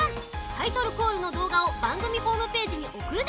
タイトルコールのどうがをばんぐみホームページにおくるだけ！